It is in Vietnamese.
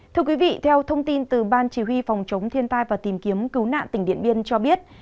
thưa quý vị theo thông tin từ ban chỉ huy phòng chống thiên tai và tìm kiếm cứu nạn tỉnh điện biên cho biết